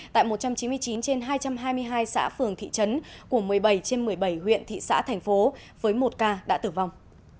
tại một trăm chín mươi chín trên hai trăm hai mươi hai xã phường thị trấn của một mươi bảy trên một mươi bảy huyện thị xã thành phố với một ca đã tử vong